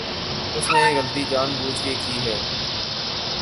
اس نے یہ غلطی جان بوجھ کے کی ہے۔